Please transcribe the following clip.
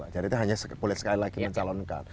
jadi itu hanya boleh sekali lagi mencalonkan